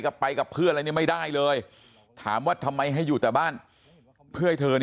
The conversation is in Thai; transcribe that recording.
ไปกับเพื่อนอะไรเนี่ยไม่ได้เลยถามว่าทำไมให้อยู่แต่บ้านเพื่อให้เธอ